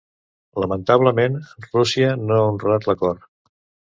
Lamentablement, Rússia no ha honrat l’acord.